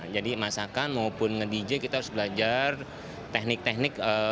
jadi masakan maupun dj kita harus belajar teknik teknik